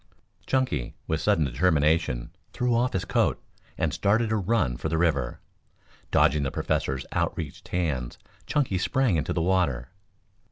Chunky, with sudden determination, threw off his coat, and started on a run for the river. Dodging the Professor's outstretched hands, Chunky sprang into the water.